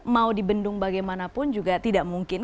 mau dibendung bagaimanapun juga tidak mungkin